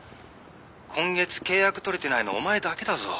「今月契約取れてないのお前だけだぞ」